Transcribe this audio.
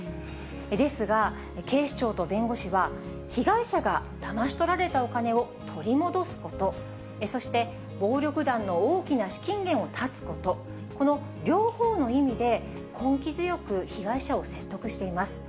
ですが、警視庁と弁護士は、被害者がだまし取られたお金を取り戻すこと、そして暴力団の大きな資金源を断つこと、この両方の意味で、根気強く被害者を説得しています。